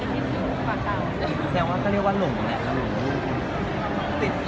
มีโครงการทุกทีใช่ไหม